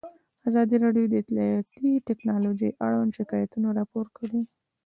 ازادي راډیو د اطلاعاتی تکنالوژي اړوند شکایتونه راپور کړي.